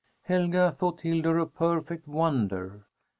Helga thought Hildur a perfect wonder.